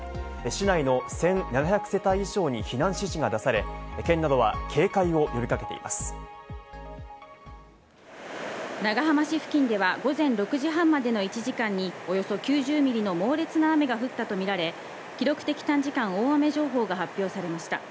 市内の１７００世帯以上に避難指示が出され、長浜市付近では午前６時半までの１時間におよそ９０ミリの猛烈な雨が降ったとみられ、記録的短時間大雨情報が発表されました。